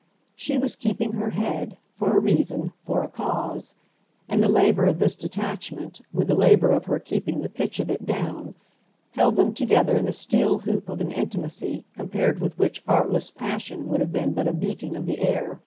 She was keeping her head, for a reason, for a cause; and the labour of this detachment, with the labour of her keeping the pitch of it down, held them together in the steel hoop of an intimacy compared with which artless passion would have been but a beating of the air.